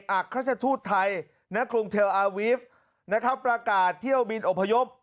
อักราชทูตไทยณกรุงเทลอาวีฟนะครับประกาศเที่ยวบินอพยพ